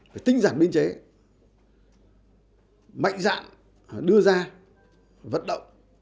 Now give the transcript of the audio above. phải tinh giản biên chế mạnh dạng đưa ra vận động